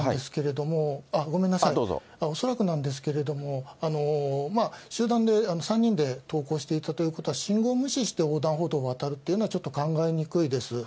ただ、恐らくなんですけれども、集団で、３人で登校していたということは、信号無視して横断歩道を渡るというのは、考えにくいです。